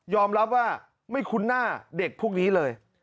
รับว่าไม่คุ้นหน้าเด็กพวกนี้เลย